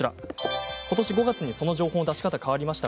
ことし５月にその情報の出し方が変わりました。